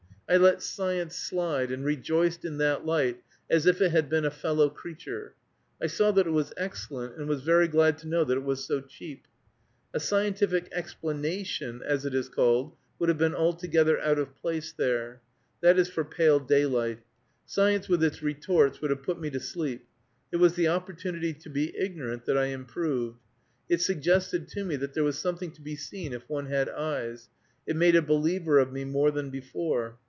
I let science slide, and rejoiced in that light as if it had been a fellow creature. I saw that it was excellent, and was very glad to know that it was so cheap. A scientific explanation, as it is called, would have been altogether out of place there. That is for pale daylight. Science with its retorts would have put me to sleep; it was the opportunity to be ignorant that I improved. It suggested to me that there was something to be seen if one had eyes. It made a believer of me more than before.